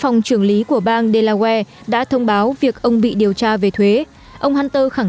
phòng trưởng lý của bang delaware đã thông báo việc ông bị điều tra về thuế ông hunter khẳng